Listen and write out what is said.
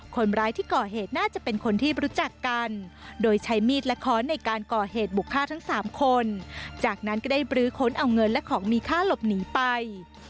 คนร้ายที่ก่อเหตุน่าจะเป็นคนที่รู้จักกันโดยใช้มีดและค้อนในการก่อเหตุบุกฆ่าทั้งสามคนจากนั้นก็ได้บรื้อค้นเอาเงินและของมีค่าหลบหนีไป